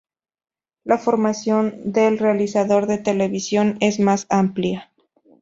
La formación del realizador de televisión es más amplia.